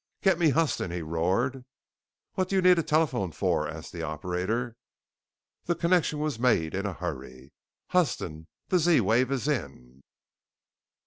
"Get me Huston!" he roared. "What do you need a telephone for?" asked the operator. The connection was made in a hurry. "Huston! The Z wave is in!"